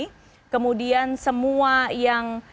ada dua puluh satu smp negeri dan swasta di sepuluh kecamatan ini